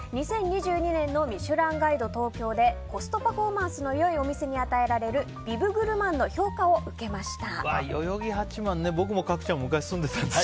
２０２２年の「ミシュランガイド東京」でコストパフォーマンスの良いお店に与えられるビブグルマンの評価を受けました。